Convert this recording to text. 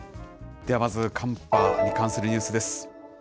ではまず、寒波に関するニュースです。